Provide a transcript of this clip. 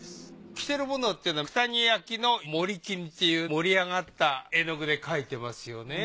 着てるものっていうのは九谷焼の盛金っていう盛り上がった絵の具で描いてますよね。